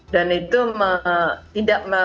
dan itu tidak membuat